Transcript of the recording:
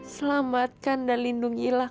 selamatkan dan lindungilah